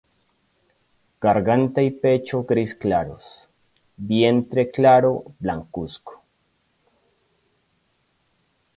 Garganta y pecho gris claros, vientre claro blancuzco.